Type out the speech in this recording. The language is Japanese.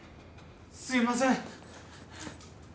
すみません。